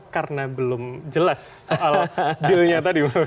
karena belum jelas soal deal nya tadi